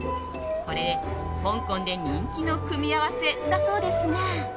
これ、香港で人気の組み合わせだそうですが。